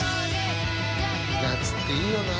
夏っていいよな。